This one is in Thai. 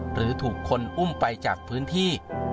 หรือถูกคนอุ้มไปจากพื้นที่